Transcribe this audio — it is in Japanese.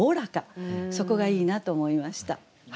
そこがいいなと思いました。